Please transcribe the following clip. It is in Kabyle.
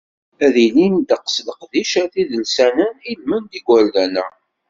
Ad d-ilin ddeqs n leqdicat idelsanen i lmend n yigerdan-a.